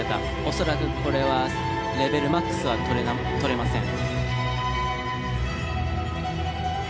恐らくこれはレベルマックスは取れません。